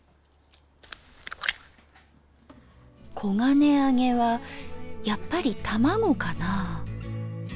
黄金あげはやっぱり卵かなあ。